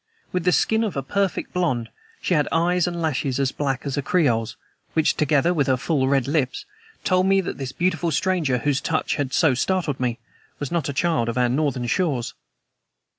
With the skin of a perfect blonde, she had eyes and lashes as black as a Creole's, which, together with her full red lips, told me that this beautiful stranger, whose touch had so startled me, was not a child of our northern shores.